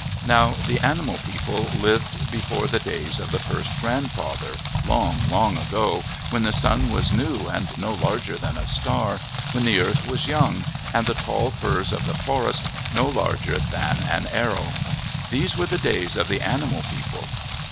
Now the animal people lived before the days of the first grandfather, long, long ago, when the sun was new and no larger than a star, when the earth was young, and the tall firs of the forest no larger than an arrow. These were the days of the animal people.